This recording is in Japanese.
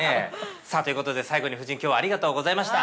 さあということで、最後に夫人、きょうはありがとうございました。